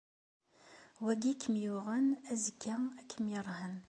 Wagi ikem-yuɣen azekka ad kem-yeṛhen!